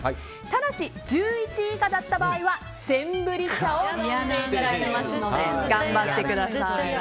ただし１１位以下だった場合はセンブリ茶を飲んでいただきますので頑張ってください。